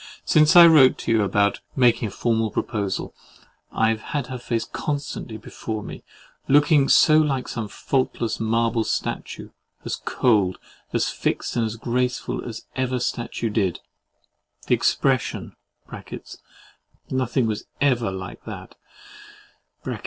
Since I wrote to you about making a formal proposal, I have had her face constantly before me, looking so like some faultless marble statue, as cold, as fixed and graceful as ever statue did; the expression (nothing was ever like THAT!)